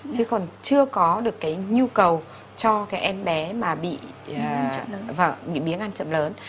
chứ còn chưa có được cái nhu cầu cho cái em bé mà bị biếng ăn chậm lớn